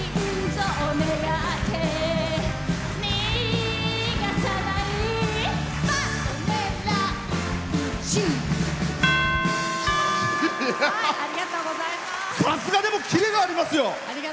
さすがにキレがありますよ。